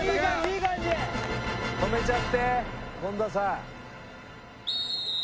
止めちゃって権田さん。